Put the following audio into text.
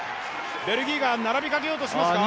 ベルリーが並びかけようとしますか。